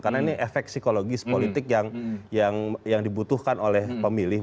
karena ini efek psikologis politik yang dibutuhkan oleh pemilih